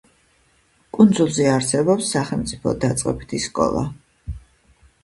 კუნძულზე არსებობს სახელმწიფო დაწყებითი სკოლა.